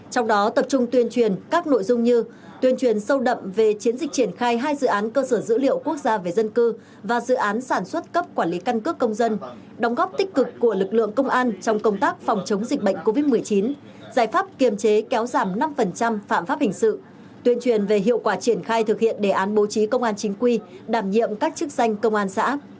trong đó tập trung tuyên truyền các nội dung như tuyên truyền sâu đậm về chiến dịch triển khai hai dự án cơ sở dữ liệu quốc gia về dân cư và dự án sản xuất cấp quản lý căn cước công dân đóng góp tích cực của lực lượng công an trong công tác phòng chống dịch bệnh covid một mươi chín giải pháp kiềm chế kéo giảm năm phạm pháp hình sự tuyên truyền về hiệu quả triển khai thực hiện đề án bố trí công an chính quy đảm nhiệm các chức danh công an xã